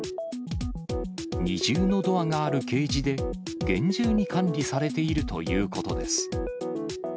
二重のドアのあるケージで、厳重に管理されているということです。